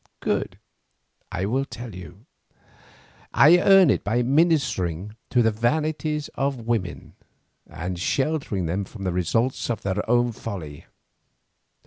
Good, I will tell you. I earn it by ministering to the vanities of women and sheltering them from the results of their own folly.